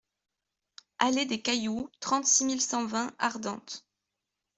Allée des Cailloux, trente-six mille cent vingt Ardentes